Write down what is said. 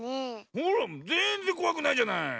ほらぜんぜんこわくないじゃない。